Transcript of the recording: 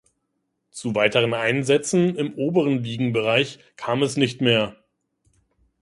Zu weiteren Einsätzen im oberen Ligenbereich kam es nicht mehr.